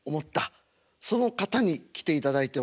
その方に来ていただいております。